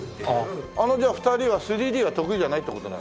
あのじゃあ２人は３Ｄは得意じゃないって事？